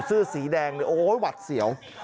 เสื้อสีแดงโอ๊ยวัดเสี่ยว